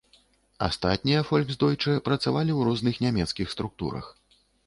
Астатнія фольксдойчэ працавалі ў розных нямецкіх структурах.